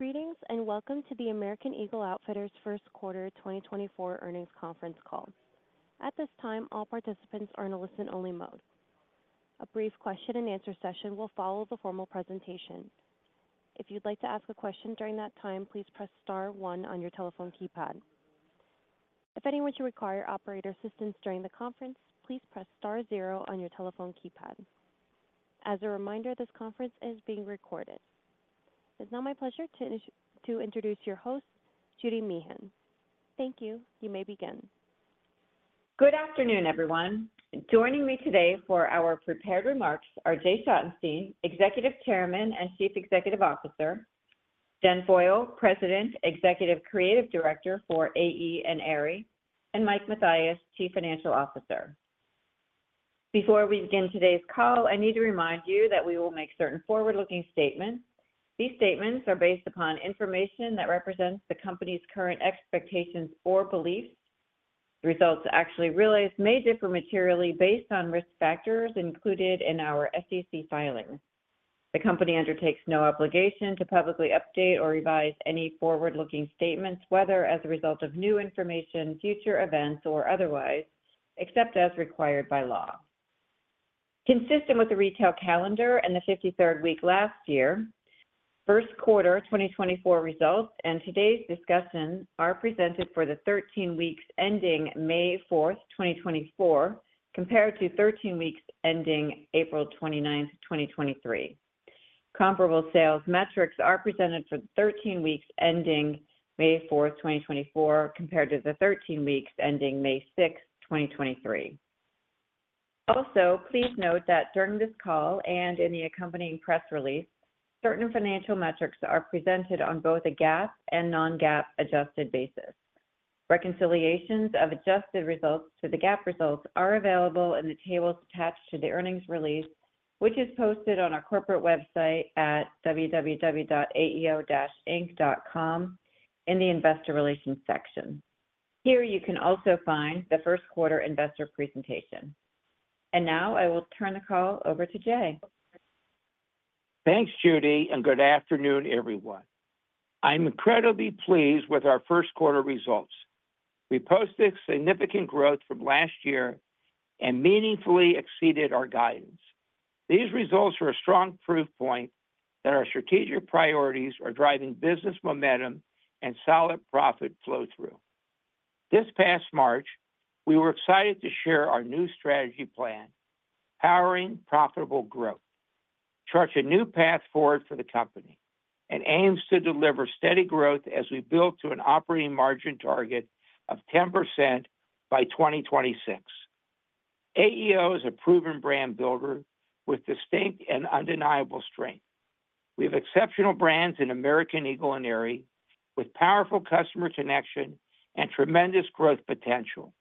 Greetings, and welcome to the American Eagle Outfitters First Quarter 2024 Earnings Conference Call. At this time, all participants are in a listen-only mode. A brief Q&A session will follow the formal presentation. If you'd like to ask a question during that time, please press star one on your telephone keypad. If anyone should require operator assistance during the conference, please press star zero on your telephone keypad. As a reminder, this conference is being recorded. It's now my pleasure to introduce your host, Judy Meehan. Thank you. You may begin. Good afternoon, everyone. Joining me today for our prepared remarks are Jay Schottenstein, Executive Chairman and Chief Executive Officer, Jen Foyle, President, Executive Creative Director for AE and Aerie, and Mike Mathias, Chief Financial Officer. Before we begin today's call, I need to remind you that we will make certain forward-looking statements. These statements are based upon information that represents the company's current expectations or beliefs. The results actually realized may differ materially based on risk factors included in our SEC filings. The company undertakes no obligation to publicly update or revise any forward-looking statements, whether as a result of new information, future events, or otherwise, except as required by law. Consistent with the retail calendar and the 53rd week last year, first quarter 2024 results and today's discussion are presented for the 13 weeks ending May 4, 2024, compared to 13 weeks ending April 29, 2023. Comparable sales metrics are presented for the 13 weeks ending May 4, 2024, compared to the 13 weeks ending May 6, 2023. Also, please note that during this call and in the accompanying press release, certain financial metrics are presented on both a GAAP and non-GAAP adjusted basis. Reconciliations of adjusted results to the GAAP results are available in the tables attached to the earnings release, which is posted on our corporate website at www.aeo-inc.com in the Investor Relations section. Here you can also find the first quarter investor presentation. Now I will turn the call over to Jay. Thanks, Judy, and good afternoon, everyone. I'm incredibly pleased with our first quarter results. We posted significant growth from last year and meaningfully exceeded our guidance. These results are a strong proof point that our strategic priorities are driving business momentum and solid profit flow through. This past March, we were excited to share our new strategy plan, Powering Profitable Growth. Charts a new path forward for the company and aims to deliver steady growth as we build to an operating margin target of 10% by 2026. AEO is a proven brand builder with distinct and undeniable strength. We have exceptional brands in American Eagle and Aerie, with powerful customer connection and tremendous growth potential.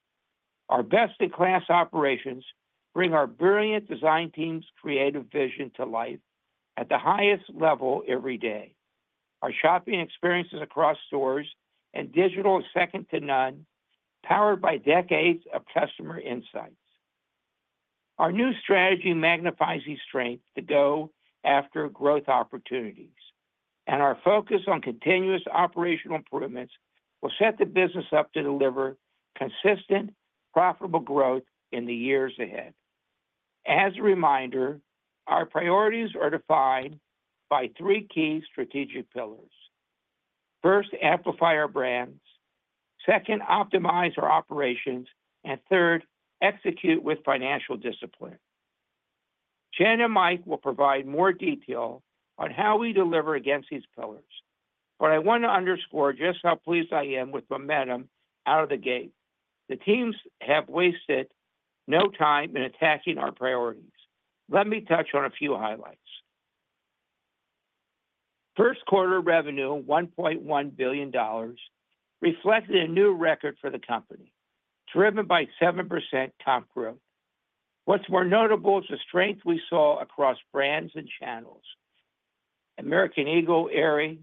Our best-in-class operations bring our brilliant design team's creative vision to life at the highest level every day. Our shopping experiences across stores and digital is second to none, powered by decades of customer insights. Our new strategy magnifies these strengths to go after growth opportunities, and our focus on continuous operational improvements will set the business up to deliver consistent, profitable growth in the years ahead. As a reminder, our priorities are defined by three key strategic pillars. First, amplify our brands, second, optimize our operations, and third, execute with financial discipline. Jen and Mike will provide more detail on how we deliver against these pillars, but I want to underscore just how pleased I am with momentum out of the gate. The teams have wasted no time in attacking our priorities. Let me touch on a few highlights. First quarter revenue, $1.1 billion, reflected a new record for the company, driven by 7% comp growth. What's more notable is the strength we saw across brands and channels. American Eagle, Aerie,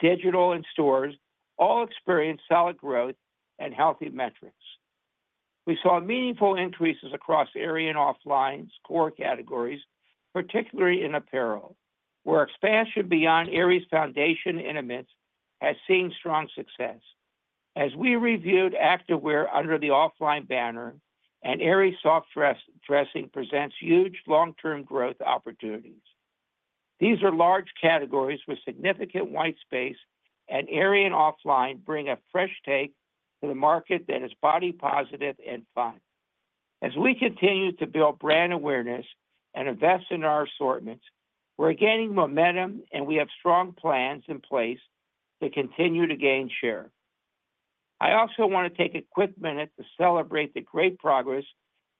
digital, and stores all experienced solid growth and healthy metrics. We saw meaningful increases across Aerie and OFFLINE's core categories, particularly in apparel, where expansion beyond Aerie's foundation intimates has seen strong success. As we reviewed Activewear under the OFFLINE banner and Aerie soft dress and dressing presents huge long-term growth opportunities. These are large categories with significant white space, and Aerie and OFFLINE bring a fresh take to the market that is body positive and fun. As we continue to build brand awareness and invest in our assortments, we're gaining momentum, and we have strong plans in place to continue to gain share. I also want to take a quick minute to celebrate the great progress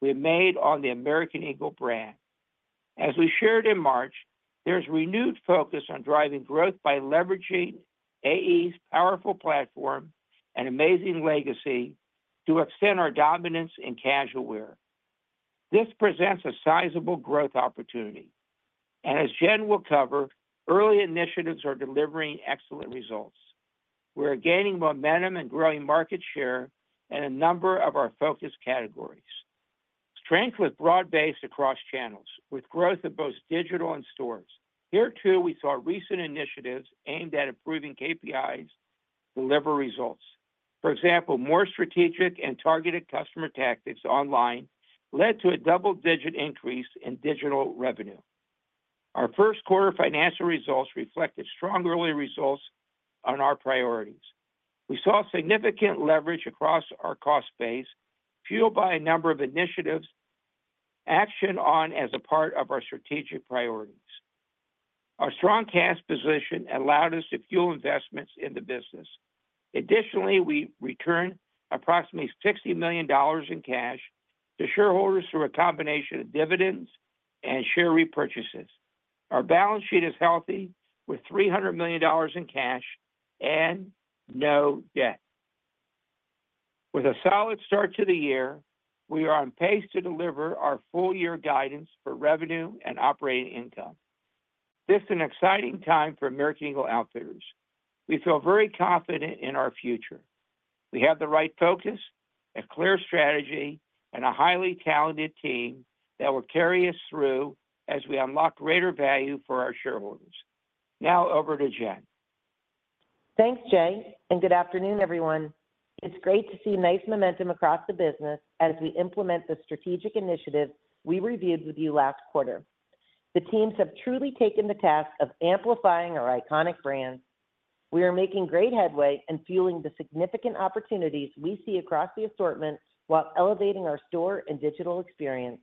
we've made on the American Eagle brand. As we shared in March, there's renewed focus on driving growth by leveraging AE's powerful platform and amazing legacy to extend our dominance in casual wear. This presents a sizable growth opportunity, and as Jen will cover, early initiatives are delivering excellent results. We're gaining momentum and growing market share in a number of our focus categories. Strength was broad-based across channels, with growth in both digital and stores. Here, too, we saw recent initiatives aimed at improving KPIs deliver results. For example, more strategic and targeted customer tactics online led to a double-digit increase in digital revenue. Our first quarter financial results reflected strong early results on our priorities. We saw significant leverage across our cost base, fueled by a number of initiatives, action on as a part of our strategic priorities. Our strong cash position allowed us to fuel investments in the business. Additionally, we returned approximately $60 million in cash to shareholders through a combination of dividends and share repurchases. Our balance sheet is healthy, with $300 million in cash and no debt. With a solid start to the year, we are on pace to deliver our full year guidance for revenue and operating income. This is an exciting time for American Eagle Outfitters. We feel very confident in our future. We have the right focus, a clear strategy, and a highly talented team that will carry us through as we unlock greater value for our shareholders. Now, over to Jen. Thanks, Jay, and good afternoon, everyone. It's great to see nice momentum across the business as we implement the strategic initiatives we reviewed with you last quarter. The teams have truly taken the task of amplifying our iconic brands. We are making great headway and fueling the significant opportunities we see across the assortment, while elevating our store and digital experience.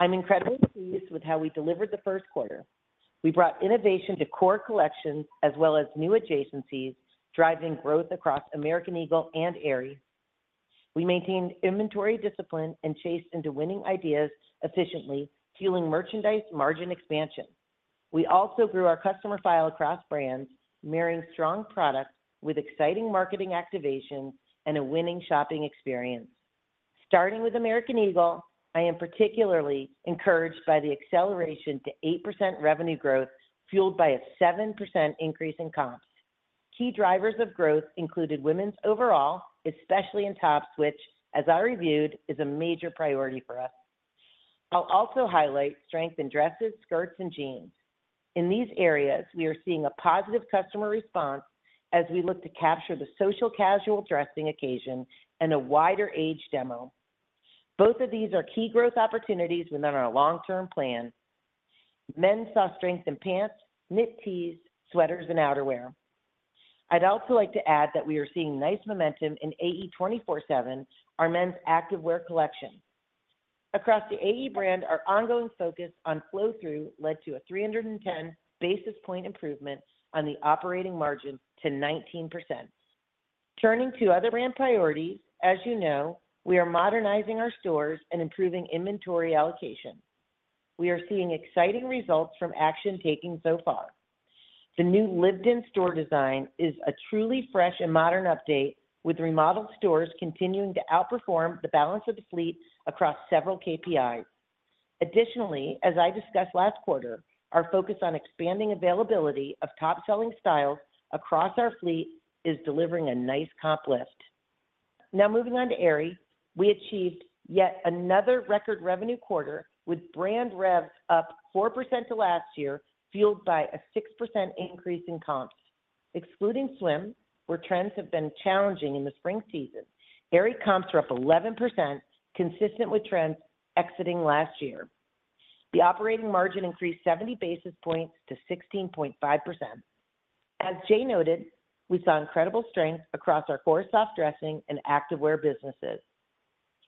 I'm incredibly pleased with how we delivered the first quarter. We brought innovation to core collections as well as new adjacencies, driving growth across American Eagle and Aerie. We maintained inventory discipline and chased into winning ideas efficiently, fueling merchandise margin expansion. We also grew our customer file across brands, marrying strong products with exciting marketing activations and a winning shopping experience. Starting with American Eagle, I am particularly encouraged by the acceleration to 8% revenue growth, fueled by a 7% increase in comps. Key drivers of growth included women's overall, especially in tops, which, as I reviewed, is a major priority for us. I'll also highlight strength in dresses, skirts, and jeans. In these areas, we are seeing a positive customer response as we look to capture the social casual dressing occasion and a wider age demo. Both of these are key growth opportunities within our long-term plan. Men saw strength in pants, knit tees, sweaters, and outerwear. I'd also like to add that we are seeing nice momentum in AE 24/7, our men's Activewear collection. Across the AE brand, our ongoing focus on flow-through led to a 310 basis point improvement on the operating margin to 19%. Turning to other brand priorities, as you know, we are modernizing our stores and improving inventory allocation. We are seeing exciting results from action taking so far. The new Lived-In store design is a truly fresh and modern update, with remodeled stores continuing to outperform the balance of the fleet across several KPIs. Additionally, as I discussed last quarter, our focus on expanding availability of top-selling styles across our fleet is delivering a nice comp lift. Now, moving on to Aerie. We achieved yet another record revenue quarter, with brand revs up 4% to last year, fueled by a 6% increase in comps. Excluding swim, where trends have been challenging in the spring season, Aerie comps are up 11%, consistent with trends exiting last year. The operating margin increased 70 basis points to 16.5%. As Jay noted, we saw incredible strength across our core soft dressing and Activewear businesses.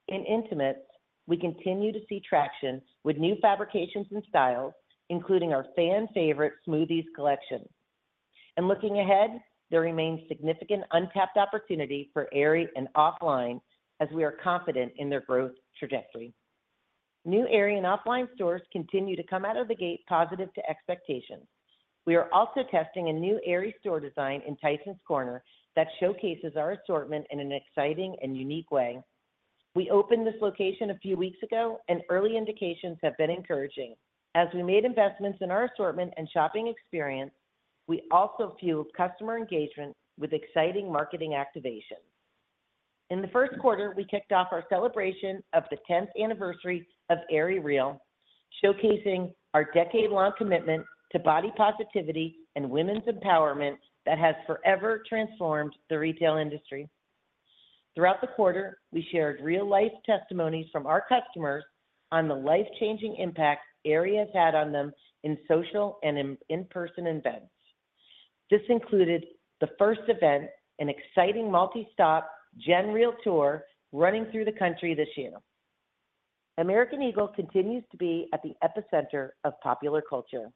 In intimates, we continue to see traction with new fabrications and styles, including our fan favorite SMOOTHEZ collection. Looking ahead, there remains significant untapped opportunity for Aerie and OFFLINE as we are confident in their growth trajectory. New Aerie and OFFLINE stores continue to come out of the gate positive to expectations. We are also testing a new Aerie store design in Tysons Corner that showcases our assortment in an exciting and unique way. We opened this location a few weeks ago, and early indications have been encouraging. As we made investments in our assortment and shopping experience, we also fueled customer engagement with exciting marketing activations. In the first quarter, we kicked off our celebration of the tenth anniversary of AerieREAL, showcasing our decade-long commitment to body positivity and women's empowerment that has forever transformed the retail industry. Throughout the quarter, we shared real-life testimonies from our customers on the life-changing impact Aerie has had on them in social and in-person events. This included the first event, an exciting multi-stop AerieREAL Tour, running through the country this year. American Eagle continues to be at the epicenter of popular culture.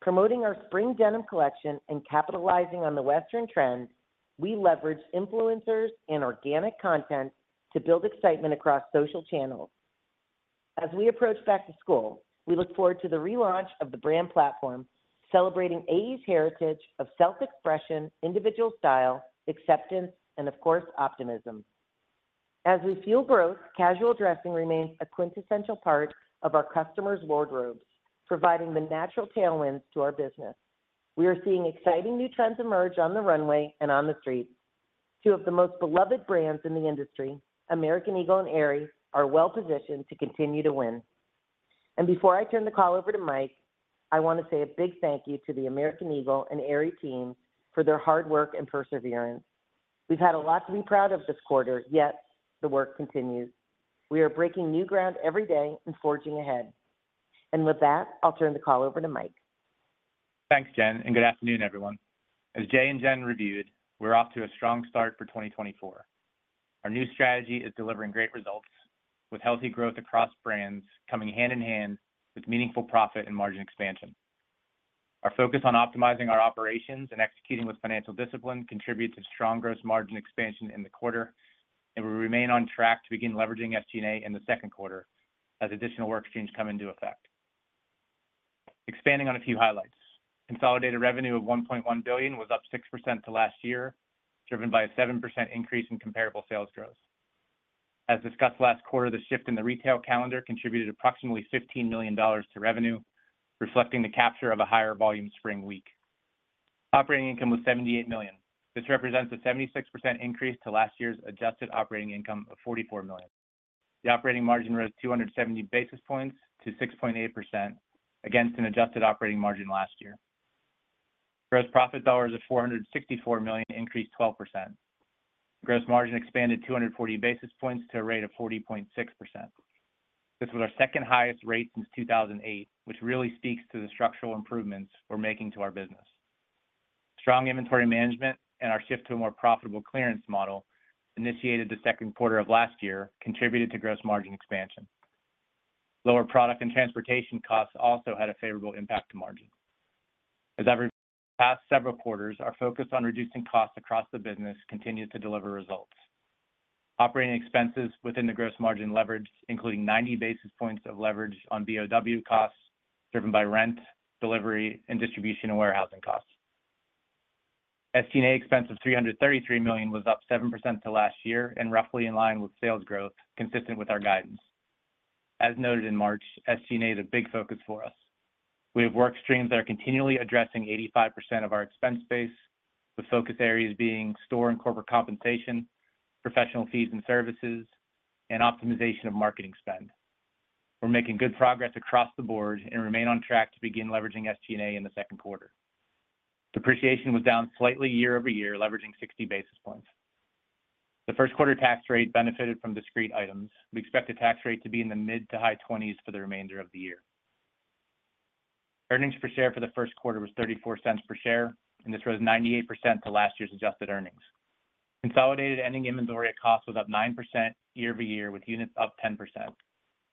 Promoting our spring denim collection and capitalizing on the Western trend, we leveraged influencers and organic content to build excitement across social channels. As we approach back to school, we look forward to the relaunch of the brand platform, celebrating AE's heritage of self-expression, individual style, acceptance, and of course, optimism. As we fuel growth, casual dressing remains a quintessential part of our customers' wardrobes, providing the natural tailwinds to our business. We are seeing exciting new trends emerge on the runway and on the streets. Two of the most beloved brands in the industry, American Eagle and Aerie, are well-positioned to continue to win. Before I turn the call over to Mike, I want to say a big thank you to the American Eagle and Aerie teams for their hard work and perseverance. We've had a lot to be proud of this quarter, yet the work continues. We are breaking new ground every day and forging ahead. With that, I'll turn the call over to Mike. Thanks, Jen, and good afternoon, everyone. As Jay and Jen reviewed, we're off to a strong start for 2024. Our new strategy is delivering great results, with healthy growth across brands coming hand in hand with meaningful profit and margin expansion. Our focus on optimizing our operations and executing with financial discipline contributed to strong gross margin expansion in the quarter, and we remain on track to begin leveraging SG&A in the second quarter as additional work streams come into effect. Expanding on a few highlights. Consolidated revenue of $1.1 billion was up 6% to last year, driven by a 7% increase in comparable sales growth. As discussed last quarter, the shift in the retail calendar contributed approximately $15 million to revenue, reflecting the capture of a higher volume spring week. Operating income was $78 million. This represents a 76% increase to last year's adjusted operating income of $44 million. The operating margin rose 270 basis points to 6.8% against an adjusted operating margin last year. Gross profit dollars of $464 million increased 12%. Gross margin expanded 240 basis points to a rate of 40.6%. This was our second highest rate since 2008, which really speaks to the structural improvements we're making to our business. Strong inventory management and our shift to a more profitable clearance model, initiated the second quarter of last year, contributed to gross margin expansion. Lower product and transportation costs also had a favorable impact to margin. As in every the past several quarters, our focus on reducing costs across the business continued to deliver results. Operating expenses within the gross margin leverage, including 90 basis points of leverage on BOW costs, driven by rent, delivery, and distribution and warehousing costs. SG&A expense of $333 million was up 7% to last year and roughly in line with sales growth, consistent with our guidance. As noted in March, SG&A is a big focus for us. We have work streams that are continually addressing 85% of our expense base, with focus areas being store and corporate compensation, professional fees and services, and optimization of marketing spend. We're making good progress across the board and remain on track to begin leveraging SG&A in the second quarter. Depreciation was down slightly year-over-year, leveraging 60 basis points. The first quarter tax rate benefited from discrete items. We expect the tax rate to be in the mid- to high 20s for the remainder of the year. Earnings per share for the first quarter was $0.34 per share, and this rose 98% to last year's adjusted earnings. Consolidated ending inventory at cost was up 9% year-over-year, with units up 10%.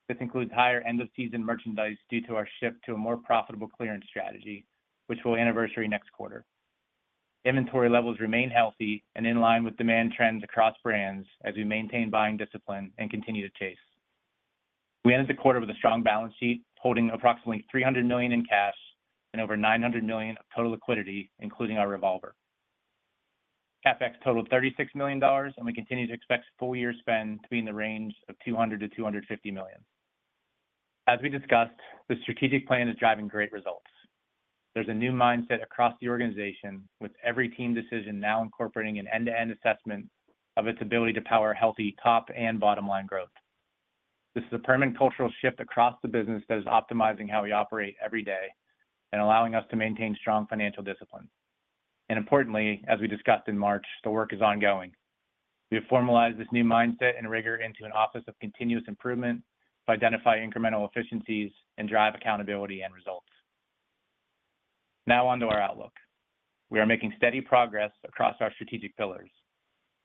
This includes higher end-of-season merchandise due to our shift to a more profitable clearance strategy, which will anniversary next quarter. Inventory levels remain healthy and in line with demand trends across brands as we maintain buying discipline and continue to chase. We ended the quarter with a strong balance sheet, holding approximately $300 million in cash and over $900 million of total liquidity, including our revolver. CapEx totaled $36 million, and we continue to expect full year spend to be in the range of $200 million-$250 million. As we discussed, the strategic plan is driving great results. There's a new mindset across the organization, with every team decision now incorporating an end-to-end assessment of its ability to power healthy top and bottom line growth. This is a permanent cultural shift across the business that is optimizing how we operate every day and allowing us to maintain strong financial discipline. Importantly, as we discussed in March, the work is ongoing. We have formalized this new mindset and rigor into an office of continuous improvement to identify incremental efficiencies and drive accountability and results. Now on to our outlook. We are making steady progress across our strategic pillars.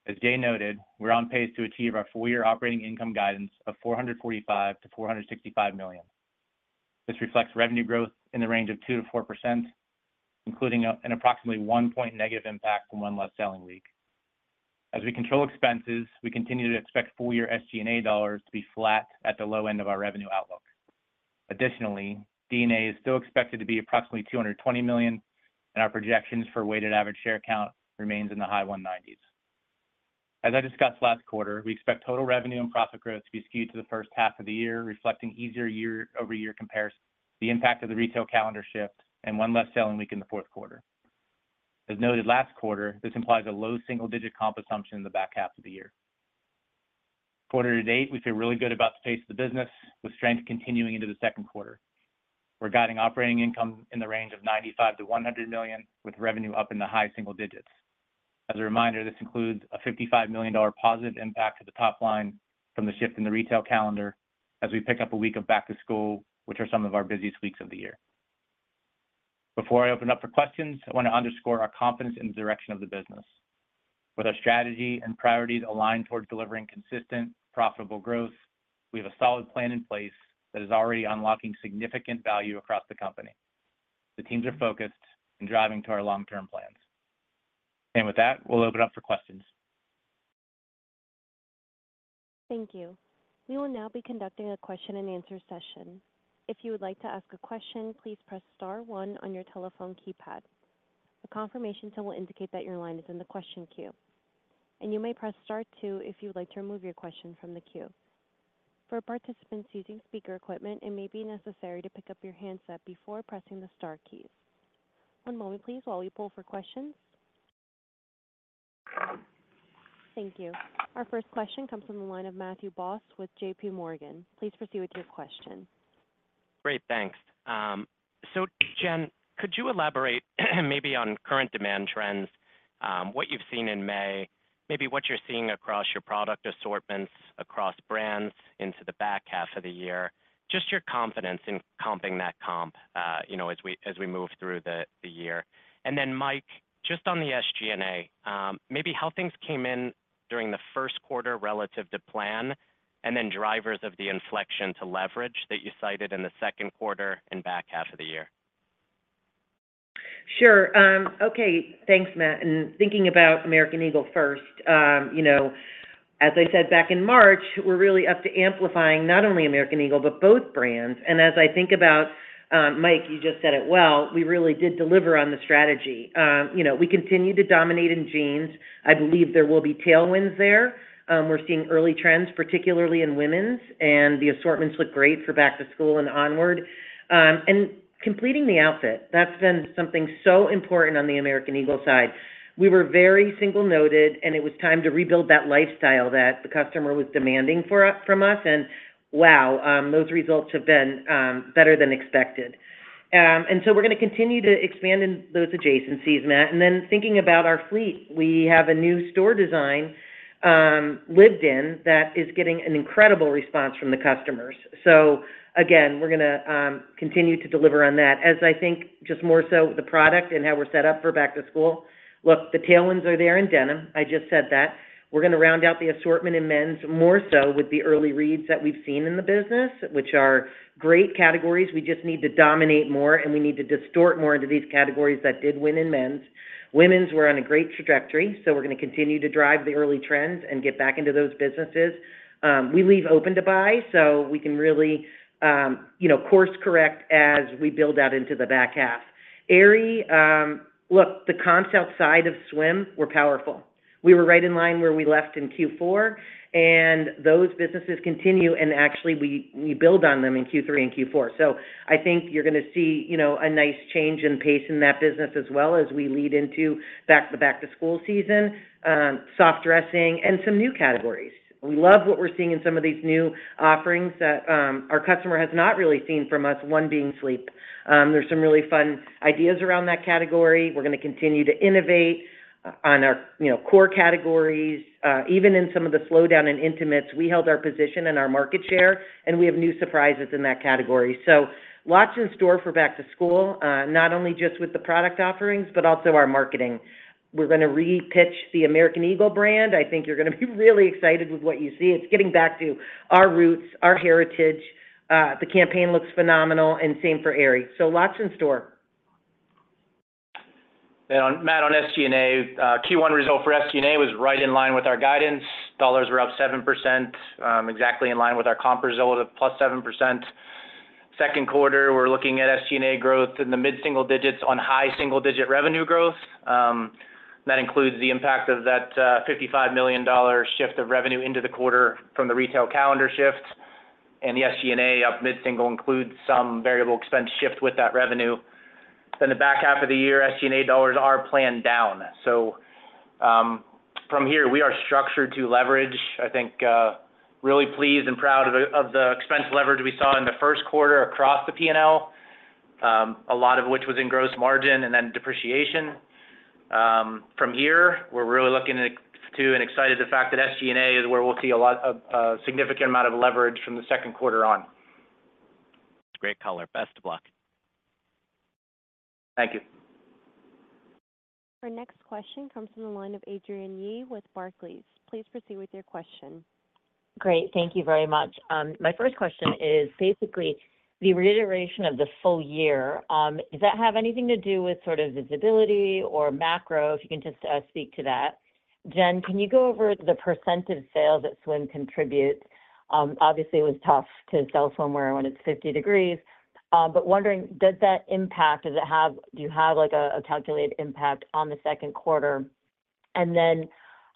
As Jay noted, we're on pace to achieve our full year operating income guidance of $445 million-$465 million. This reflects revenue growth in the range of 2%-4%, including an approximately 1-point negative impact from one less selling week. As we control expenses, we continue to expect full year SG&A dollars to be flat at the low end of our revenue outlook. Additionally, D&A is still expected to be approximately $220 million, and our projections for weighted average share count remains in the high 190s. As I discussed last quarter, we expect total revenue and profit growth to be skewed to the first half of the year, reflecting easier year-over-year comparison, the impact of the retail calendar shift, and one less selling week in the fourth quarter. As noted last quarter, this implies a low single-digit comp assumption in the back half of the year. Quarter to date, we feel really good about the pace of the business, with strength continuing into the second quarter. We're guiding operating income in the range of $95 million-$100 million, with revenue up in the high single digits. As a reminder, this includes a $55 million positive impact to the top line from the shift in the retail calendar as we pick up a week of back to school, which are some of our busiest weeks of the year. Before I open up for questions, I want to underscore our confidence in the direction of the business. With our strategy and priorities aligned towards delivering consistent, profitable growth, we have a solid plan in place that is already unlocking significant value across the company. The teams are focused and driving to our long-term plans. With that, we'll open up for questions. Thank you. We will now be conducting a Q&A session. If you would like to ask a question, please press star one on your telephone keypad. A confirmation tone will indicate that your line is in the question queue, and you may press star two if you would like to remove your question from the queue. For participants using speaker equipment, it may be necessary to pick up your handset before pressing the star keys. One moment, please, while we pull for questions. Thank you. Our first question comes from the line of Matthew Boss with JP Morgan. Please proceed with your question. Great. Thanks. So Jen, could you elaborate, maybe on current demand trends, what you've seen in May, maybe what you're seeing across your product assortments, across brands into the back half of the year? Just your confidence in comping that comp, you know, as we move through the year. And then, Mike, just on the SG&A, maybe how things came in during the first quarter relative to plan, and then drivers of the inflection to leverage that you cited in the second quarter and back half of the year. Sure. Okay. Thanks, Matt. And thinking about American Eagle first, you know, as I said back in March, we're really up to amplifying not only American Eagle, but both brands. And as I think about, Mike, you just said it well, we really did deliver on the strategy. You know, we continued to dominate in jeans. I believe there will be tailwinds there. We're seeing early trends, particularly in women's, and the assortments look great for back to school and onward. And completing the outfit, that's been something so important on the American Eagle side. We were very single-noted, and it was time to rebuild that lifestyle that the customer was demanding for us, from us, and wow, those results have been, better than expected. And so we're gonna continue to expand in those adjacencies, Matt. And then thinking about our fleet, we have a new store design, Lived-In, that is getting an incredible response from the customers. So again, we're gonna continue to deliver on that. As I think just more so with the product and how we're set up for back-to-school, look, the tailwinds are there in denim. I just said that. We're gonna round out the assortment in men's, more so with the early reads that we've seen in the business, which are great categories. We just need to dominate more, and we need to distort more into these categories that did win in men's. Women's, we're on a great trajectory, so we're gonna continue to drive the early trends and get back into those businesses. We leave open to buy, so we can really, you know, course correct as we build out into the back half. Aerie, look, the comps outside of swim were powerful. We were right in line where we left in Q4, and those businesses continue, and actually, we build on them in Q3 and Q4. So I think you're gonna see, you know, a nice change in pace in that business as well as we lead into the back-to-school season, soft dressing, and some new categories. We love what we're seeing in some of these new offerings that, our customer has not really seen from us, one being sleep. There's some really fun ideas around that category. We're gonna continue to innovate on our, you know, core categories. Even in some of the slowdown in intimates, we held our position and our market share, and we have new surprises in that category. So lots in store for back to school, not only just with the product offerings, but also our marketing. We're gonna re-pitch the American Eagle brand. I think you're gonna be really excited with what you see. It's getting back to our roots, our heritage. The campaign looks phenomenal and same for Aerie. So lots in store. And on, Matt, on SG&A, Q1 result for SG&A was right in line with our guidance. Dollars were up 7%, exactly in line with our comp result of +7%. Second quarter, we're looking at SG&A growth in the mid-single digits on high single-digit revenue growth. That includes the impact of that $55 million shift of revenue into the quarter from the retail calendar shift. And the SG&A up mid-single includes some variable expense shift with that revenue. Then the back half of the year, SG&A dollars are planned down. So, from here, we are structured to leverage, I think, really pleased and proud of the expense leverage we saw in the first quarter across the P&L, a lot of which was in gross margin and then depreciation. From here, we're really looking to and excited the fact that SG&A is where we'll see a lot—a significant amount of leverage from the second quarter on. Great color. Best of luck. Thank you. Our next question comes from the line of Adrienne Yih with Barclays. Please proceed with your question. Great. Thank you very much. My first question is basically the reiteration of the full year. Does that have anything to do with sort of visibility or macro? If you can just speak to that. Jen, can you go over the percentage sales that swim contributes? Obviously, it was tough to sell swimwear when it's 50 degrees, but wondering, does that impact, does it have—do you have, like, a calculated impact on the second quarter? And then,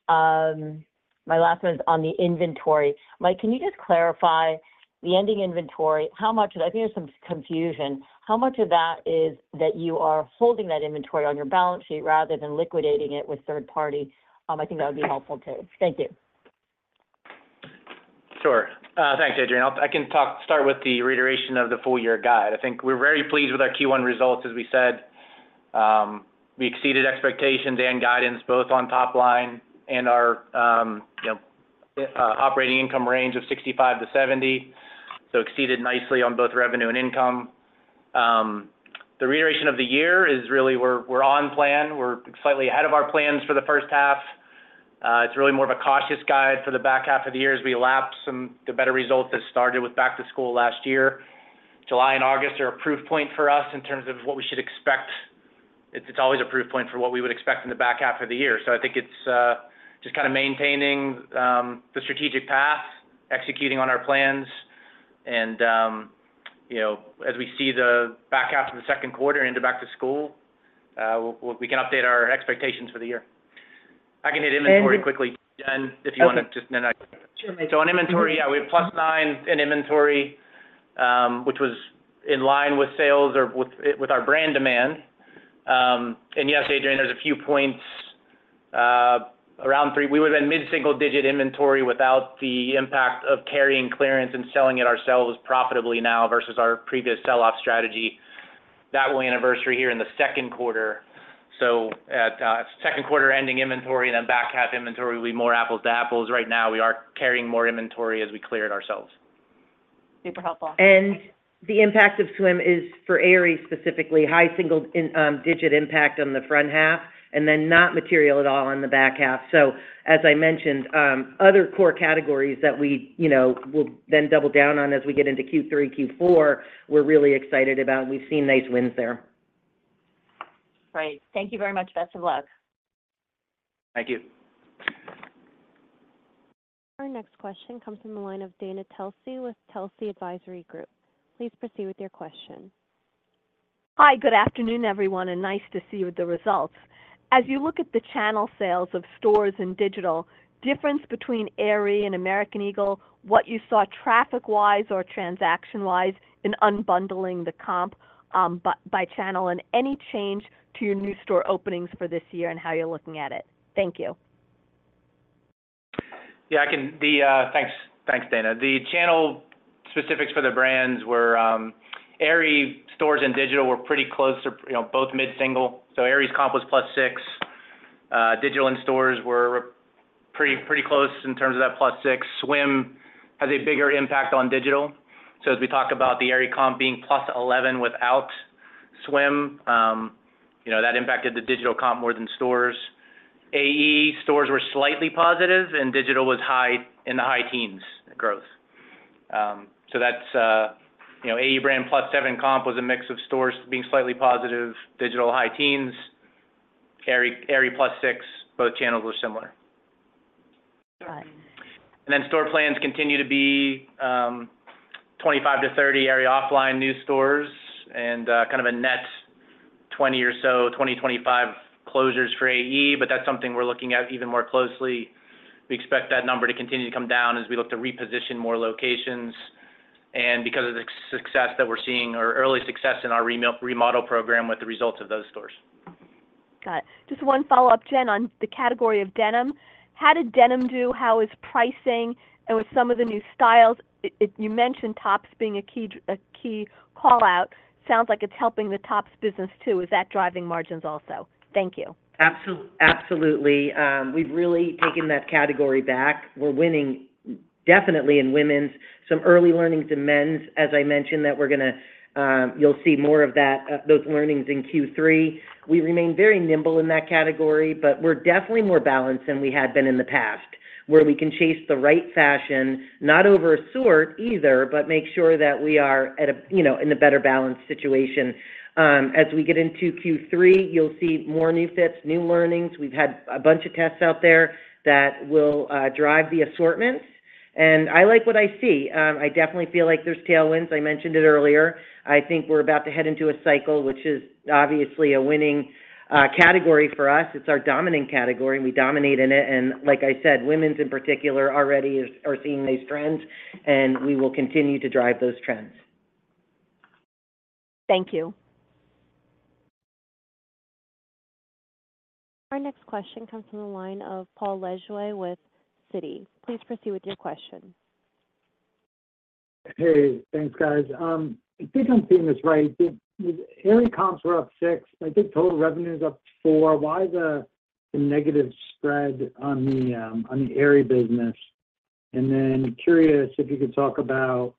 my last one is on the inventory. Mike, can you just clarify the ending inventory? How much—I think there's some confusion. How much of that is that you are holding that inventory on your balance sheet rather than liquidating it with third party? I think that would be helpful, too. Thank you. Sure. Thanks, Adrienne. I can talk—start with the reiteration of the full-year guide. I think we're very pleased with our Q1 results, as we said. We exceeded expectations and guidance both on top line and our, you know, operating income range of $65-$70, so exceeded nicely on both revenue and income. The reiteration of the year is really we're on plan. We're slightly ahead of our plans for the first half. It's really more of a cautious guide for the back half of the year as we lapse some—the better results that started with back to school last year. July and August are a proof point for us in terms of what we should expect. It's always a proof point for what we would expect in the back half of the year. So I think it's just kinda maintaining the strategic path, executing on our plans, and you know, as we see the back half of the second quarter into back to school, we can update our expectations for the year. I can hit inventory quickly. So on inventory, yeah, we have +9 in inventory, which was in line with sales or with our brand demand. And yes, Adrienne, there's a few points around three. We would have been mid-single-digit inventory without the impact of carrying clearance and selling it ourselves profitably now versus our previous sell-off strategy. That will anniversary here in the second quarter. So at second quarter ending inventory and then back half inventory will be more apples to apples. Right now, we are carrying more inventory as we clear it ourselves. Super helpful. And the impact of swim is for Aerie, specifically, high single-digit impact on the front half, and then not material at all on the back half. As I mentioned, other core categories that we, you know, will then double down on as we get into Q3, Q4, we're really excited about, and we've seen nice wins there. Great. Thank you very much. Best of luck. Thank you. Our next question comes from the line of Dana Telsey with Telsey Advisory Group. Please proceed with your question. Hi, good afternoon, everyone, and nice to see you with the results. As you look at the channel sales of stores and digital, difference between Aerie and American Eagle, what you saw traffic-wise or transaction-wise in unbundling the comp, by channel, and any change to your new store openings for this year and how you're looking at it? Thank you. Yeah. Thanks, thanks, Dana. The channel specifics for the brands were Aerie stores and digital were pretty close to, you know, both mid-single. So Aerie's comp was +6%. Digital and stores were pretty close in terms of that +6%. Swim has a bigger impact on digital. So as we talk about the Aerie comp being +11% without swim, you know, that impacted the digital comp more than stores. AE stores were slightly positive, and digital was high teens growth. So that's, you know, AE brand +7% comp was a mix of stores being slightly positive, digital high teens, Aerie +6%, both channels were similar. Got it. And then store plans continue to be 25-30 Aerie OFFLINE new stores and kind of a net 20 or so, 20, 25 closures for AE, but that's something we're looking at even more closely. We expect that number to continue to come down as we look to reposition more locations. And because of the success that we're seeing or early success in our remodel program with the results of those stores. Got it. Just one follow-up, Jen, on the category of denim. How did denim do? How is pricing and with some of the new styles? You mentioned tops being a key, a key call-out. Sounds like it's helping the tops business, too. Is that driving margins also? Thank you. Absolutely. We've really taken that category back. We're winning, definitely in women's. Some early learnings in men's, as I mentioned, that we're gonna. You'll see more of that, those learnings in Q3. We remain very nimble in that category, but we're definitely more balanced than we had been in the past, where we can chase the right fashion, not over a sort either, but make sure that we are at a, you know, in a better balanced situation. As we get into Q3, you'll see more new fits, new learnings. We've had a bunch of tests out there that will drive the assortment, and I like what I see. I definitely feel like there's tailwinds. I mentioned it earlier. I think we're about to head into a cycle, which is obviously a winning category for us. It's our dominant category, and we dominate in it. Like I said, women's in particular, already is, are seeing these trends, and we will continue to drive those trends. Thank you. Our next question comes from the line of Paul Lejuez with Citi. Please proceed with your question. Hey, thanks, guys. If I'm seeing this right, Aerie comps were up 6. I think total revenue is up 4. Why the negative spread on the Aerie business? And then curious if you could talk about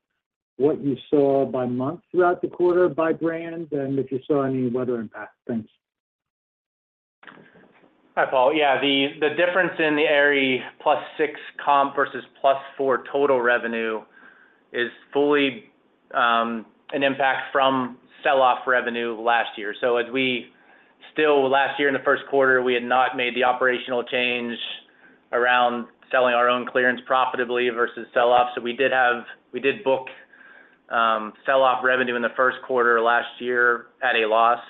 what you saw by month throughout the quarter, by brand, and if you saw any weather impact. Thanks. Hi, Paul. Yeah, the difference in the Aerie +6% comp versus +4% total revenue is fully an impact from sell-off revenue last year. So last year in the first quarter, we had not made the operational change around selling our own clearance profitably versus sell-offs. So we did book sell-off revenue in the first quarter last year at a loss.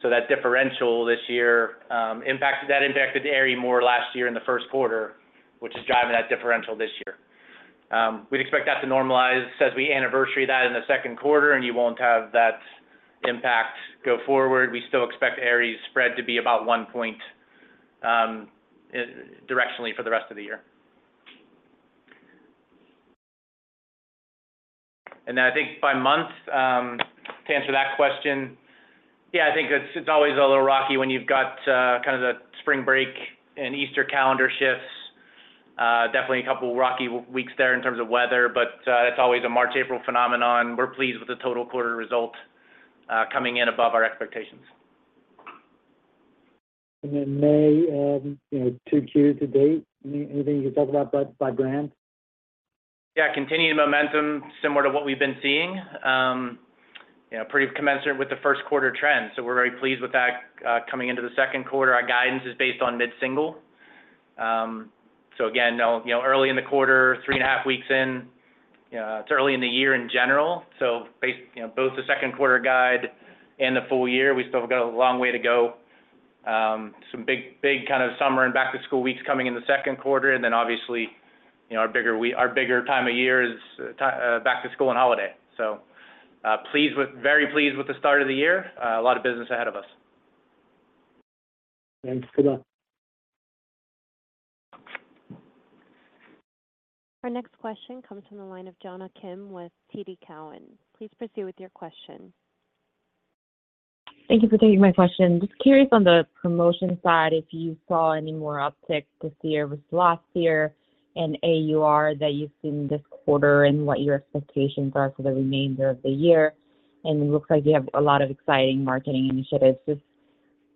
So that differential this year impacted Aerie more last year in the first quarter, which is driving that differential this year. We'd expect that to normalize as we anniversary that in the second quarter, and you won't have that impact go forward. We still expect Aerie's spread to be about one point directionally for the rest of the year. And then I think by month, to answer that question, yeah, I think it's, it's always a little rocky when you've got, the spring break and Easter calendar shifts. Definitely a couple rocky weeks there in terms of weather, but, it's always a March, April phenomenon. We're pleased with the total quarter result, coming in above our expectations. And then May, you know, 2Q to date, anything you can talk about by brand? Yeah, continuing momentum, similar to what we've been seeing. You know, pretty commensurate with the first quarter trend, so we're very pleased with that. Coming into the second quarter, our guidance is based on mid-single. So again, no, you know, early in the quarter, three and a half weeks in. Yeah, it's early in the year in general, so both the second quarter guide and the full year, we still got a long way to go. Some big, big kind of summer and back-to-school weeks coming in the second quarter, and then obviously, you know, our bigger time of year is back to school and holiday. So, very pleased with the start of the year. A lot of business ahead of us. Thanks, good luck. Our next question comes from the line of Jonna Kim with TD Cowen. Please proceed with your question. Thank you for taking my question. Just curious on the promotion side, if you saw any more uptick this year versus last year, and AUR that you've seen this quarter and what your expectations are for the remainder of the year? It looks like you have a lot of exciting marketing initiatives. Just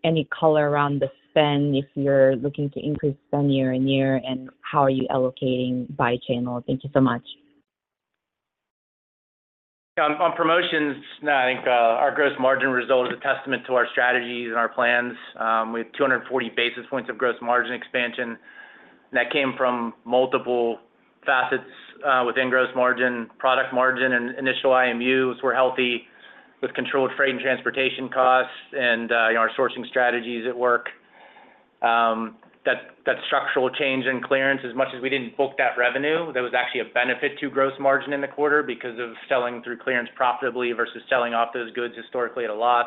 any color around the spend, if you're looking to increase spend year-and-year, and how are you allocating by channel? Thank you so much. Yeah, on promotions, I think our gross margin result is a testament to our strategies and our plans. We have 240 basis points of gross margin expansion, and that came from multiple facets within gross margin. Product margin and initial IMUs were healthy, with controlled freight and transportation costs and, you know, our sourcing strategies at work. That structural change in clearance, as much as we didn't book that revenue, that was actually a benefit to gross margin in the quarter because of selling through clearance profitably versus selling off those goods historically at a loss.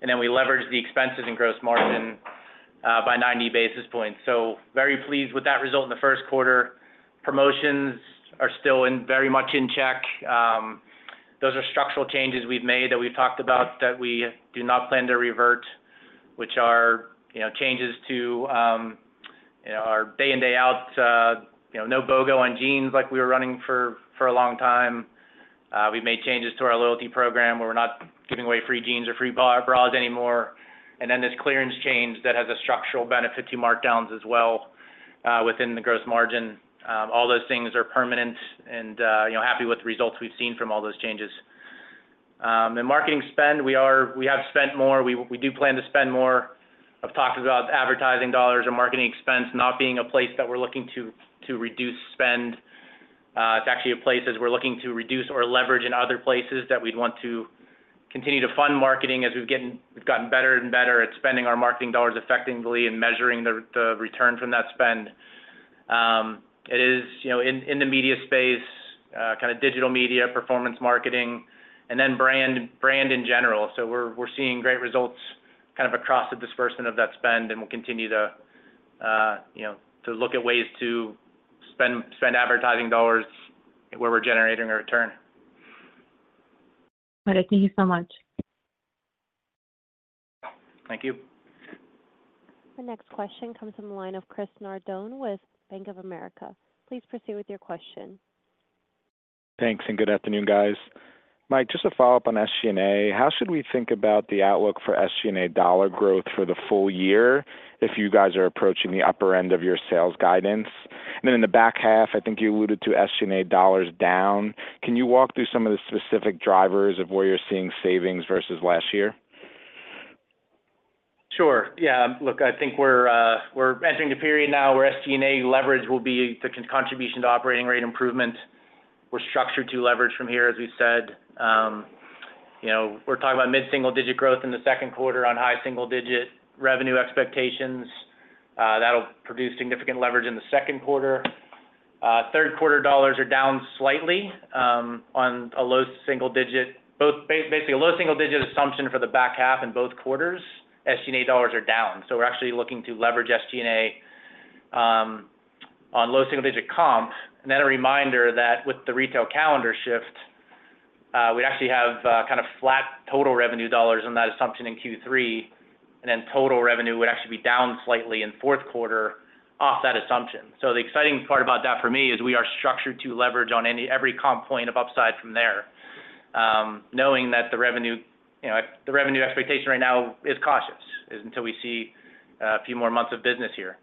And then we leveraged the expenses in gross margin by 90 basis points. So very pleased with that result in the first quarter. Promotions are still very much in check. Those are structural changes we've made that we've talked about that we do not plan to revert, which are, you know, changes to, you know, our day in, day out, you know, no BOGO on jeans like we were running for, for a long time. We've made changes to our loyalty program, where we're not giving away free jeans or free bras anymore. And then this clearance change that has a structural benefit to markdowns as well, within the gross margin. All those things are permanent and, you know, happy with the results we've seen from all those changes. In marketing spend, we have spent more. We do plan to spend more. I've talked about advertising dollars and marketing expense not being a place that we're looking to reduce spend. It's actually a place as we're looking to reduce or leverage in other places that we'd want to continue to fund marketing as we've gotten better and better at spending our marketing dollars effectively and measuring the return from that spend. It is, you know, in the media space, kind of digital media, performance marketing, and then brand in general. So we're seeing great results, kind of, across the disbursement of that spend, and we'll continue to, you know, to look at ways to spend advertising dollars where we're generating a return. All right. Thank you so much. Thank you. The next question comes from the line of Chris Nardone with Bank of America. Please proceed with your question. Thanks, and good afternoon, guys. Mike, just a follow-up on SG&A. How should we think about the outlook for SG&A dollar growth for the full year if you guys are approaching the upper end of your sales guidance? And then in the back half, I think you alluded to SG&A dollars down. Can you walk through some of the specific drivers of where you're seeing savings versus last year? Sure. Yeah, look, I think we're entering a period now where SG&A leverage will be the contribution to operating rate improvement. We're structured to leverage from here, as we said. You know, we're talking about mid-single-digit growth in the second quarter on high single-digit revenue expectations. That'll produce significant leverage in the second quarter. Third quarter dollars are down slightly on a low single-digit, both basically a low single-digit assumption for the back half in both quarters. SG&A dollars are down, so we're actually looking to leverage SG&A on low single-digit comp. And then a reminder that with the retail calendar shift, we actually have kind of flat total revenue dollars on that assumption in Q3, and then total revenue would actually be down slightly in fourth quarter off that assumption. So the exciting part about that for me is we are structured to leverage every comp point of upside from there. Knowing that the revenue, you know, the revenue expectation right now is cautious until we see a few more months of business here.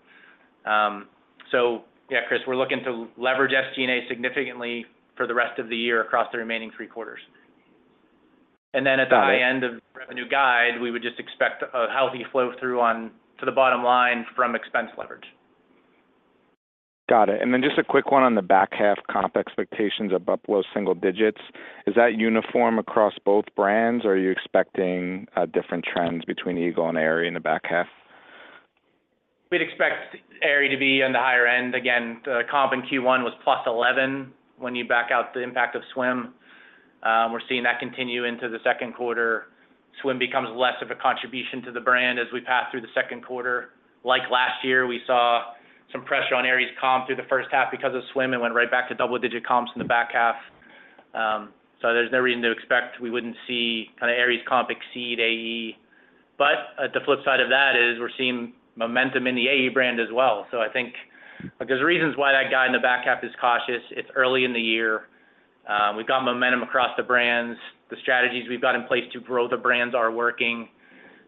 So yeah, Chris, we're looking to leverage SG&A significantly for the rest of the year across the remaining three quarters. Got it. Then, at the high end of revenue guide, we would just expect a healthy flow through onto the bottom line from expense leverage. Got it. And then just a quick one on the back half comp expectations of up, low single digits. Is that uniform across both brands, or are you expecting different trends between Eagle and Aerie in the back half? We'd expect Aerie to be on the higher end. Again, the comp in Q1 was +11 when you back out the impact of Swim. We're seeing that continue into the second quarter. Swim becomes less of a contribution to the brand as we pass through the second quarter. Like last year, we saw some pressure on Aerie's comp through the first half because of Swim. It went right back to double-digit comps in the back half. So there's no reason to expect we wouldn't see kind of Aerie's comp exceed AE. But the flip side of that is we're seeing momentum in the AE brand as well. So I think there's reasons why that guide in the back half is cautious. It's early in the year. We've got momentum across the brands. The strategies we've got in place to grow the brands are working.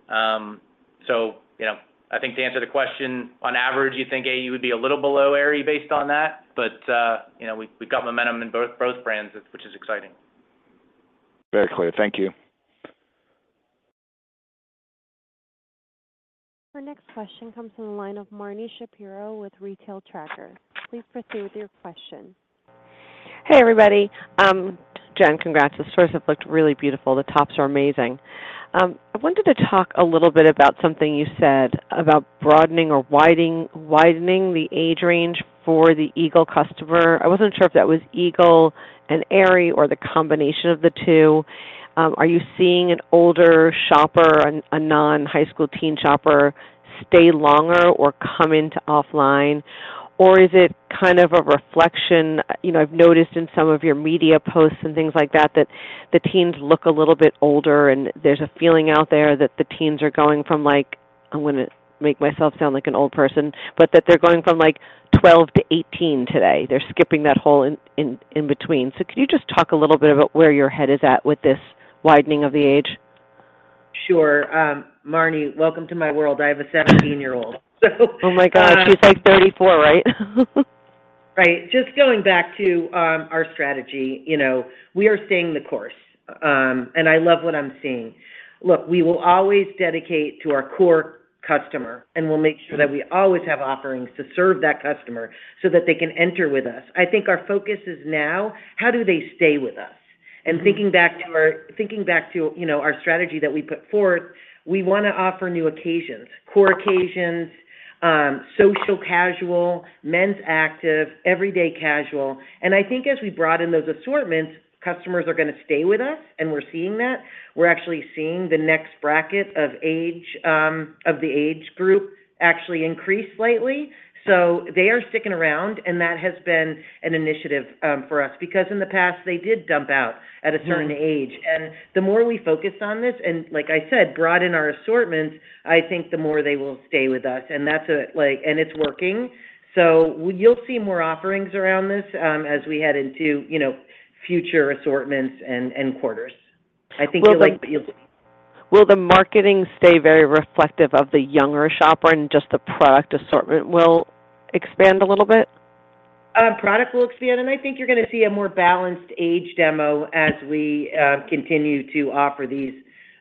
So you know, I think to answer the question, on average, you think AE would be a little below Aerie based on that, but, you know, we've got momentum in both, both brands, which is exciting. Very clear. Thank you. Our next question comes from the line of Marni Shapiro with Retail Tracker. Please proceed with your question. Hey, everybody. Jen, congrats. The stores have looked really beautiful. The tops are amazing. I wanted to talk a little bit about something you said about broadening or widening, widening the age range for the Eagle customer. I wasn't sure if that was Eagle and Aerie or the combination of the two. Are you seeing an older shopper, a non-high school teen shopper, stay longer or come into OFFLINE? Or is it kind of a reflection. You know, I've noticed in some of your media posts and things like that, that the teens look a little bit older, and there's a feeling out there that the teens are going from, like, I wouldn't make myself sound like an old person, but that they're going from, like, 12 to 18 today. They're skipping that whole in between. Could you just talk a little bit about where your head is at with this widening of the age? Sure. Marni, welcome to my world. I have a 17-year-old. So- Oh, my God, she's, like, 34, right? Right. Just going back to our strategy, you know, we are staying the course, and I love what I'm seeing. Look, we will always dedicate to our core customer, and we'll make sure that we always have offerings to serve that customer so that they can enter with us. I think our focus is now: how do they stay with us? Mm-hmm. Thinking back to, you know, our strategy that we put forth, we wanna offer new occasions, core occasions, social casual, men's active, everyday casual. And I think as we brought in those assortments, customers are gonna stay with us, and we're seeing that. We're actually seeing the next bracket of age, of the age group actually increase slightly. So they are sticking around, and that has been an initiative, for us because in the past, they did dump out at a- Yeah Certain age. And the more we focus on this, and like I said, brought in our assortments, I think the more they will stay with us, and that's, like... And it's working. So you'll see more offerings around this, as we head into, you know, future assortments and, and quarters. I think you'll like what you'll see. Will the marketing stay very reflective of the younger shopper and just the product assortment will expand a little bit? Product will expand, and I think you're gonna see a more balanced age demo as we continue to offer these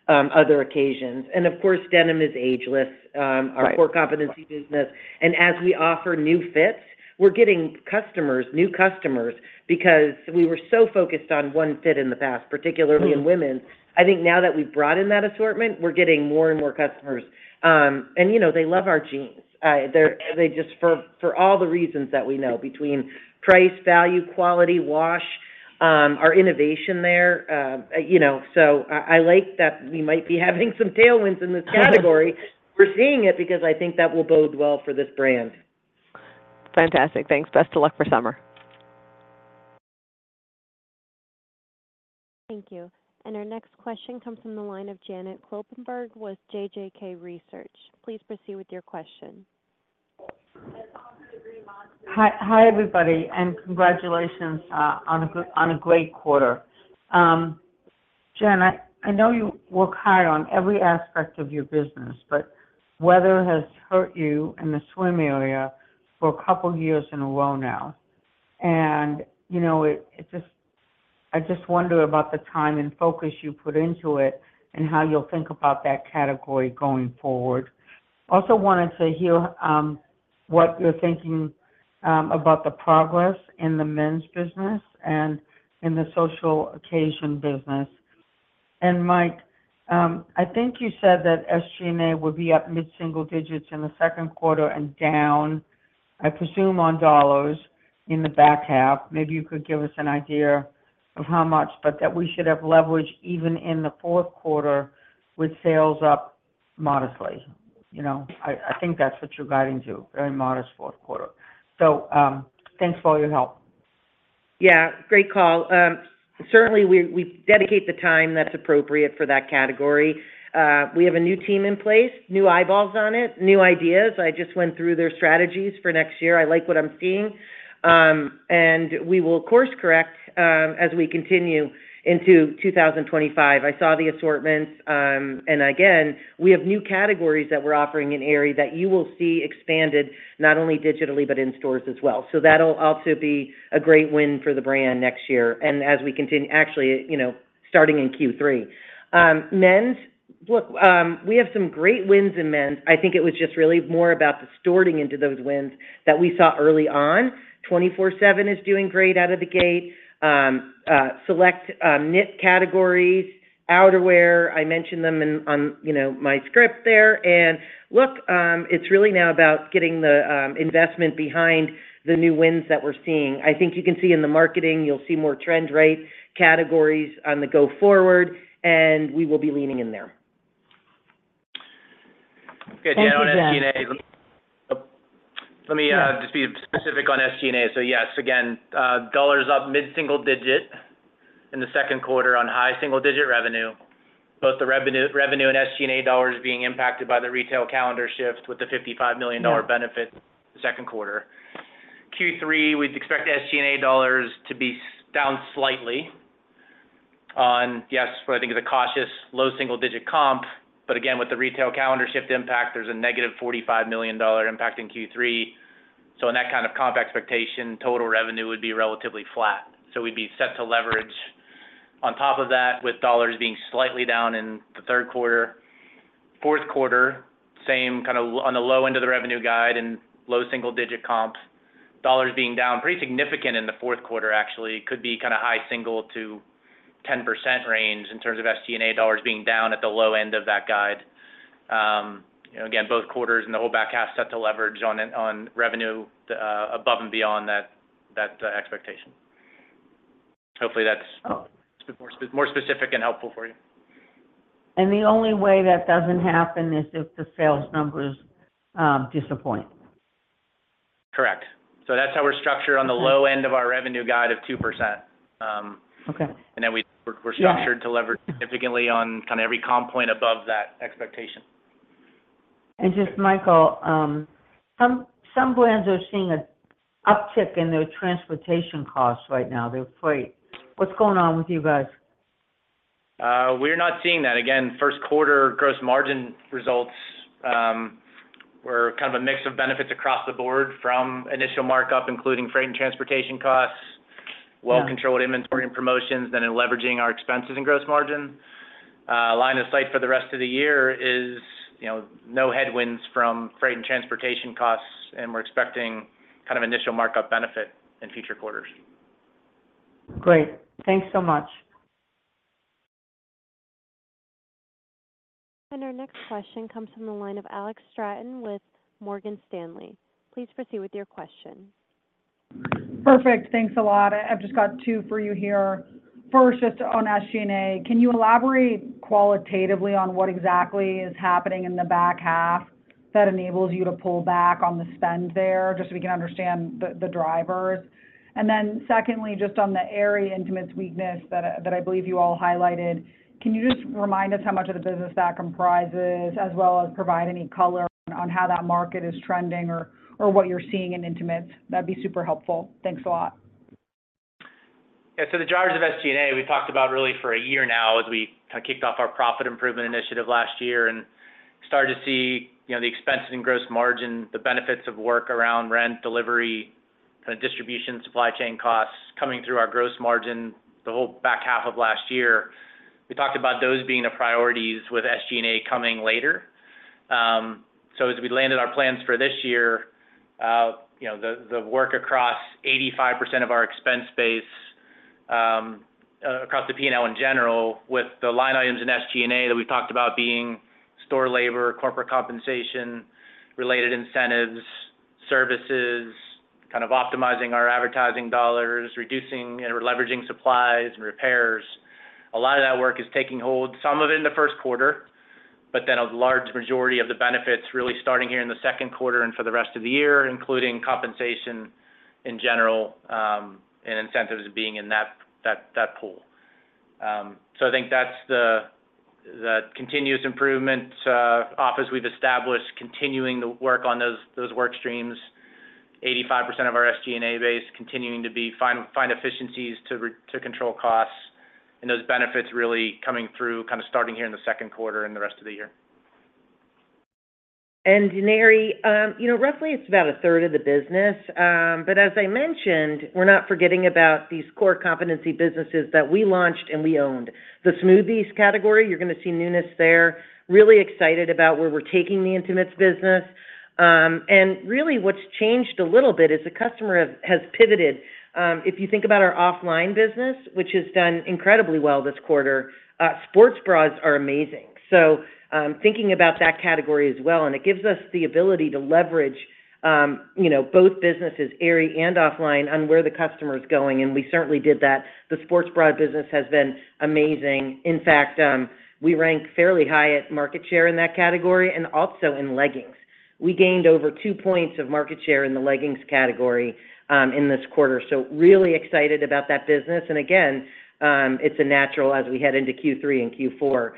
other occasions. And of course, denim is ageless. Right Our core competency business. As we offer new fits, we're getting customers, new customers, because we were so focused on one fit in the past, particularly- Mm In women. I think now that we've brought in that assortment, we're getting more and more customers. And you know, they love our jeans. They're just for all the reasons that we know, between price, value, quality, wash, our innovation there, you know. So I like that we might be having some tailwinds in this category. We're seeing it because I think that will bode well for this brand. Fantastic. Thanks. Best of luck for summer. Thank you. Our next question comes from the line of Janet Kloppenburg with JJK Research. Please proceed with your question. Hi, hi, everybody, and congratulations on a great quarter. Jen, I know you work hard on every aspect of your business, but weather has hurt you in the swim area for a couple of years in a row now. You know, I just wonder about the time and focus you put into it and how you'll think about that category going forward. Also wanted to hear what you're thinking about the progress in the men's business and in the social occasion business. Mike, I think you said that SG&A would be up mid-single digits in the second quarter and down, I presume, on dollars in the back half. Maybe you could give us an idea of how much, but that we should have leverage even in the fourth quarter with sales up modestly. You know, I think that's what you're guiding to, very modest fourth quarter. So, thanks for all your help. Yeah, great call. Certainly, we dedicate the time that's appropriate for that category. We have a new team in place, new eyeballs on it, new ideas. I just went through their strategies for next year. I like what I'm seeing. And we will course correct as we continue into 2025. I saw the assortments, and again, we have new categories that we're offering in Aerie that you will see expanded not only digitally, but in stores as well. So that'll also be a great win for the brand next year. And as we continue. Actually, you know, starting in Q3. Men's, look, we have some great wins in men's. I think it was just really more about the distorting into those wins that we saw early on. 24/7 is doing great out of the gate. Select knit categories, outerwear, I mentioned them in on, you know, my script there. And look, it's really now about getting the investment behind the new wins that we're seeing. I think you can see in the marketing, you'll see more trend-right categories on the go forward, and we will be leaning in there. Thank you, Jen. Okay, Jen, on SG&A, let me just be specific on SG&A. So yes, again, dollars up mid-single digit in the second quarter on high single-digit revenue. Both the revenue, revenue and SG&A dollars being impacted by the retail calendar shift with the $55 million dollar benefit second quarter. Q3, we'd expect SG&A dollars to be down slightly on, yes, what I think is a cautious, low single-digit comp. But again, with the retail calendar shift impact, there's a negative $45 million dollar impact in Q3. So in that kind of comp expectation, total revenue would be relatively flat. So we'd be set to leverage. On top of that, with dollars being slightly down in the third quarter. Fourth quarter, same, kind of on the low end of the revenue guide and low single-digit comps. Dollars being down pretty significant in the fourth quarter, actually, could be kind of high single- to 10% range in terms of SG&A dollars being down at the low end of that guide. Again, both quarters and the whole back half set to leverage on revenue, above and beyond that expectation. Hopefully, that's more specific and helpful for you. The only way that doesn't happen is if the sales numbers disappoint? Correct. So that's how we're structured on the low end of our revenue guide of 2%. Okay. And then we're structured to leverage significantly on every comp point above that expectation. And just, Michael, some brands are seeing an uptick in their transportation costs right now, their freight. What's going on with you guys? We're not seeing that. Again, first quarter gross margin results were kind of a mix of benefits across the board from initial markup, including freight and transportation costs- Yeah. Well-controlled inventory and promotions, then in leveraging our expenses and gross margin. Line of sight for the rest of the year is, you know, no headwinds from freight and transportation costs, and we're expecting initial markup benefit in future quarters. Great. Thanks so much. Our next question comes from the line of Alex Straton with Morgan Stanley. Please proceed with your question. Perfect. Thanks a lot. I've just got two for you here. First, just on SG&A, can you elaborate qualitatively on what exactly is happening in the back half that enables you to pull back on the spend there, just so we can understand the drivers? And then secondly, just on the Aerie intimate weakness that I believe you all highlighted, can you just remind us how much of the business that comprises, as well as provide any color on how that market is trending or what you're seeing in intimates? That'd be super helpful. Thanks a lot. Yeah, so the drivers of SG&A, we talked about really for a year now as we kicked off our profit improvement initiative last year and started to see, you know, the expenses in gross margin, the benefits of work around rent, delivery, distribution, supply chain costs coming through our gross margin, the whole back half of last year. We talked about those being the priorities with SG&A coming later. So as we landed our plans for this year, you know, the work across 85% of our expense base, across the P&L in general, with the line items in SG&A that we talked about being store labor, corporate compensation, related incentives, services, kind of optimizing our advertising dollars, reducing and leveraging supplies and repairs. A lot of that work is taking hold, some of it in the first quarter, but then a large majority of the benefits really starting here in the second quarter and for the rest of the year, including compensation in general, and incentives being in that pool. So I think that's the continuous improvement office we've established, continuing to work on those work streams. 85% of our SG&A base continuing to find efficiencies to control costs, and those benefits really coming through, kind of starting here in the second quarter and the rest of the year. And Nari, you know, roughly it's about a third of the business. But as I mentioned, we're not forgetting about these core competency businesses that we launched and we owned. The SMOOTHEZ category, you're gonna see newness there. Really excited about where we're taking the intimates business. And really, what's changed a little bit is the customer has, has pivoted. If you think about our OFFLINE business, which has done incredibly well this quarter, sports bras are amazing. So, thinking about that category as well, and it gives us the ability to leverage, you know, both businesses, Aerie and OFFLINE, on where the customer is going, and we certainly did that. The sports bra business has been amazing. In fact, we rank fairly high at market share in that category and also in leggings. We gained over two points of market share in the leggings category, in this quarter. So really excited about that business. And again, it's a natural as we head into Q3 and Q4.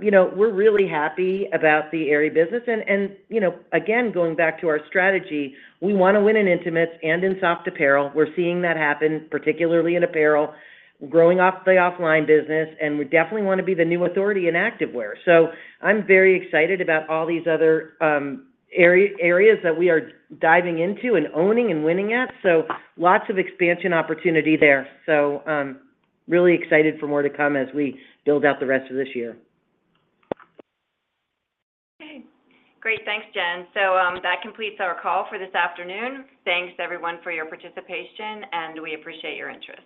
You know, we're really happy about the Aerie business. And, you know, again, going back to our strategy, we want to win in intimates and in soft apparel. We're seeing that happen, particularly in apparel, growing off the OFFLINE business, and we definitely want to be the new authority in Activewear. So I'm very excited about all these other areas that we are diving into and owning and winning at. So lots of expansion opportunity there. So, really excited for more to come as we build out the rest of this year. Okay, great. Thanks, Jen. So, that completes our call for this afternoon. Thanks, everyone, for your participation, and we appreciate your interest.